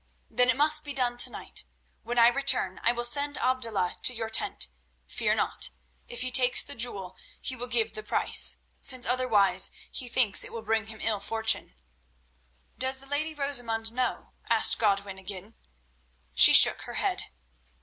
Then it must be done to night. When I return I will send Abdullah to your tent. Fear not; if he takes the jewel he will give the price, since otherwise he thinks it will bring him ill fortune." "Does the lady Rosamund know?" asked Godwin again. She shook her head.